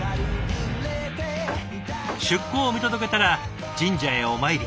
出港を見届けたら神社へお参り。